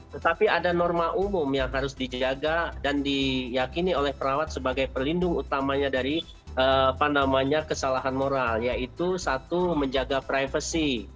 tetapi ada norma umum yang harus dijaga dan diyakini oleh perawat sebagai perlindungan utamanya dari kesalahan moral yaitu satu menjaga privasi